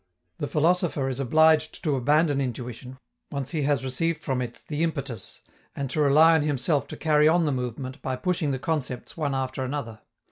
The philosopher is obliged to abandon intuition, once he has received from it the impetus, and to rely on himself to carry on the movement by pushing the concepts one after another.